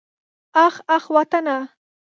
اخ اخ وطنه.